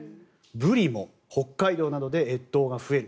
ブリも北海道などで越冬が増える。